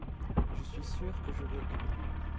je suis sûr que j'aurais aimé.